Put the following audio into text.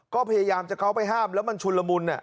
ก็พยายามจะเข้าไปห้ามแล้วมันชุนละมุน